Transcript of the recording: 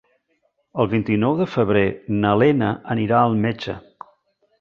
El vint-i-nou de febrer na Lena anirà al metge.